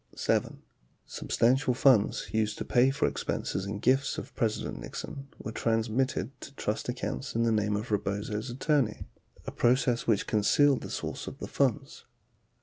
7., Substantial funds used to pay for expenses and gifts of Presi dent Nixon were transmitted to trust accounts in the name of Rebozo's attorney, a process which concealed the source of the funds.